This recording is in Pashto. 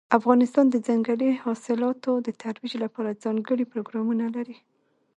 افغانستان د ځنګلي حاصلاتو د ترویج لپاره ځانګړي پروګرامونه لري.